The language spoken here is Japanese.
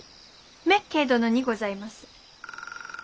滅敬殿にございます。